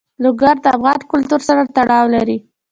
لوگر د افغان کلتور سره تړاو لري.